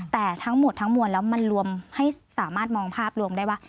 แต่ทั้งหมดทั้งมวลแล้วมันรวมให้สามารถมองภาพรวมได้ว่า